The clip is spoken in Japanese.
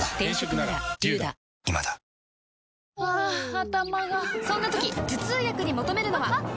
頭がそんな時頭痛薬に求めるのは？